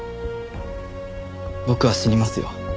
僕は死にますよ。